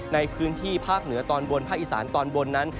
ในพื้นที่ภาคเหนือตอนบนภาคอีสานตอนบนนั้น